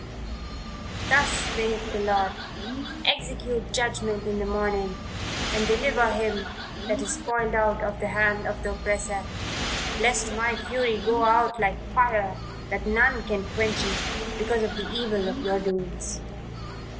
"Thus saith the Lord execute judgment in the morning, and deliver him that is spoiled out of the hand of the oppressor, lest my fury go out like fire that none can quench it, because of the evil of your doings."